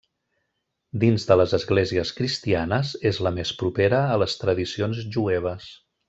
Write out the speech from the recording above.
Dins de les esglésies cristianes és la més propera a les tradicions jueves.